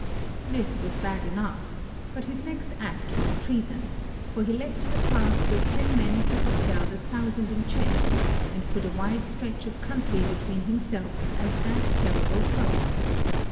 This was bad enough, but his next act was treason, for he left the pass where ten men could have held a thou sand in check, and put a wide stretch of country between himself and that terrible foe.